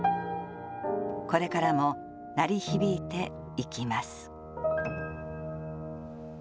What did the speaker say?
これからも鳴り響いていきます。